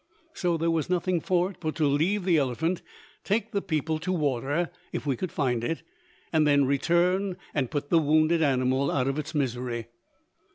So there was nothing for it but to leave the elephant, take the people to water, if we could find it, and then return and put the wounded animal out of its misery.